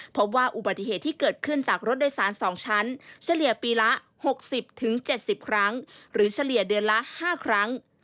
พบว่าอุบัติเหตุที่เกิดขึ้นจากรถโดยสาร๒ชั้นเฉลี่ยปีละ๖๐๗๐ครั้งหรือเฉลี่ยเดือนละ๕ครั้ง